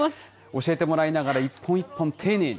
教えてもらいながら、一本一本丁寧に。